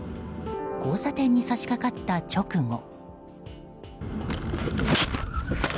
交差点に差し掛かった直後。